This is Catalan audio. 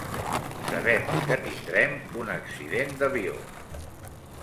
Sabem que tindrem un accident d'avió.